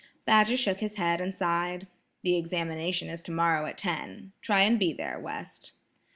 Badger shook his head and sighed. "The examination is tomorrow at ten. Try and be there, West."